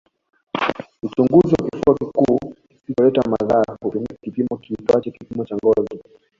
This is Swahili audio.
Uchunguzi wa kifua kikuu kisicholeta madhara hutumia kipimo kiitwacho kipimo cha ngozi